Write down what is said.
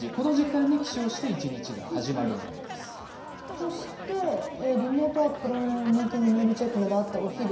そしてリモートワークプログラミングミーティングメールチェックなどあってお昼。